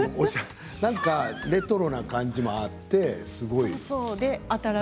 なんかレトロな感じがあって、すごい。